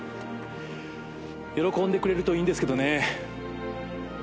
喜んでくれるといいんですけどね。